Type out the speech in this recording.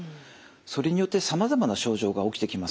それによってさまざまな症状が起きてきます。